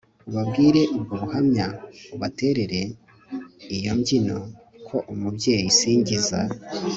Ubabwire ubwo buhamya Ubaterere iyo mbyino Ko Umubyeyi nsingiza